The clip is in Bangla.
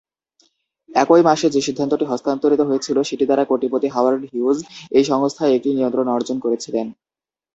একই মাসে যে সিদ্ধান্তটি হস্তান্তরিত হয়েছিল, সেটি দ্বারা কোটিপতি হাওয়ার্ড হিউজ এই সংস্থায় একটি নিয়ন্ত্রণ অর্জন করেছিলেন।